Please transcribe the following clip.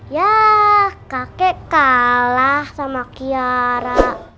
ya kakek kalah sama kiara